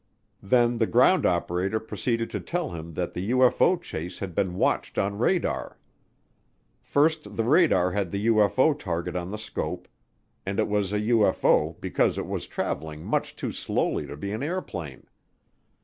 Then the ground operator proceeded to tell him that the UFO chase had been watched on radar. First the radar had the UFO target on the scope, and it was a UFO because it was traveling much too slowly to be an airplane.